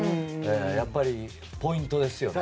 やっぱり、ポイントですよね。